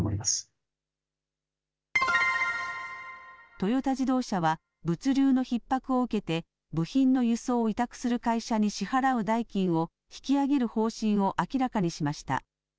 トヨタ自動車は、物流のひっ迫を受けて、部品の輸送を委託する会社に支払う代金を引き上げる方針を明らかにしました。